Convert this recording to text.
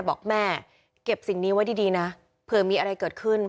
บอกแม่เก็บสิ่งนี้ไว้ดีนะเผื่อมีอะไรเกิดขึ้น